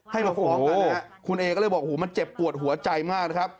ให้มาฟ้องกันนะฮะคุณเอก็เลยบอกหูมันเจ็บปวดหัวใจมากนะครับ